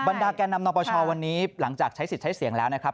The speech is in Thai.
ดาแก่นำนปชวันนี้หลังจากใช้สิทธิ์ใช้เสียงแล้วนะครับ